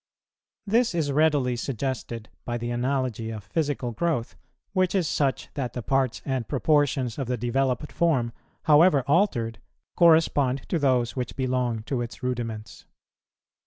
This is readily suggested by the analogy of physical growth, which is such that the parts and proportions of the developed form, however altered, correspond to those which belong to its rudiments.